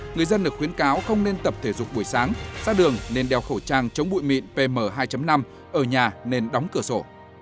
người dân được khuyến cáo không nên tập thể dục buổi sáng ra đường nên đeo khẩu trang chống bụi mịn pm hai năm ở nhà nên đóng cửa sổ